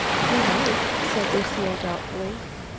"We might," said Lucile doubtfully.